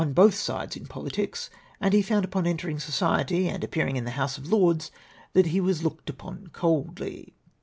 323 both sides iu politics, and he found upon entering society and appearing in the House of Lords that he ivas looked upon coldly.